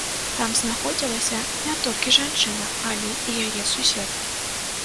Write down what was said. Там знаходзілася не толькі жанчына, але і яе сусед.